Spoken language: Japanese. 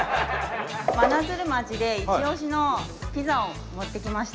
真鶴町でイチオシのピザを持ってきました。